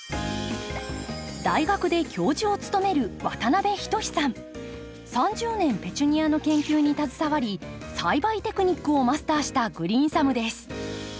大学で教授を務める３０年ペチュニアの研究に携わり栽培テクニックをマスターしたグリーンサムです。